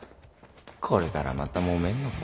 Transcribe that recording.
これからまたもめんのか